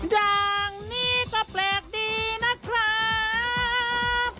อย่างนี้ก็แปลกดีนะครับ